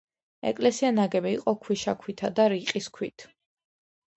ეკლესია ნაგები იყო ქვიშაქვითა და რიყის ქვით.